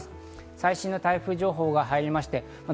最新の台風情報が入りました。